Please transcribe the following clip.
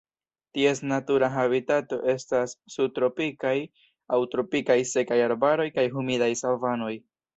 Ties natura habitato estas subtropikaj aŭ tropikaj sekaj arbaroj kaj humidaj savanoj.